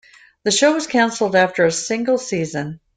The show was canceled after a single season.